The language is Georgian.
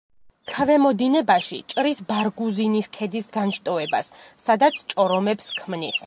ქვემო დინებაში ჭრის ბარგუზინის ქედის განშტოებას, სადაც ჭორომებს ქმნის.